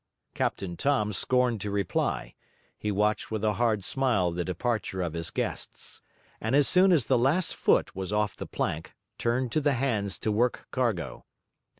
Captain Tom scorned to reply; he watched with a hard smile the departure of his guests; and as soon as the last foot was off the plank; turned to the hands to work cargo.